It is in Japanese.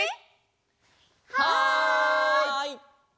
はい！